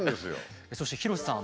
そして広瀬さん。